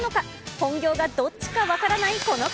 本業がどっちか分からない、この方。